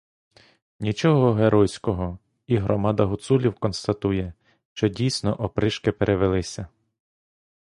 Нічого геройського — і громада гуцулів констатує, що дійсно опришки перевелися.